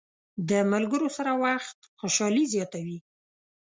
د ملګرو سره وخت خوشحالي زیاته وي.